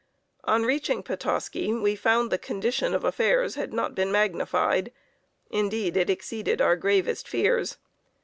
On reaching Petoskey we found the condition of affairs had not been magnified; indeed, it exceeded our gravest fears.